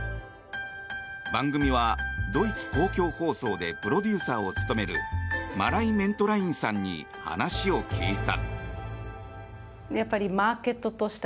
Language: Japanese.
番組はドイツ公共放送でプロデューサーを務めるマライ・メントラインさんに話を聞いた。